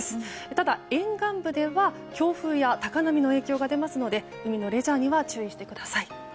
ただ、沿岸部では強風や高波の影響が出ますので海のレジャーには注意してください。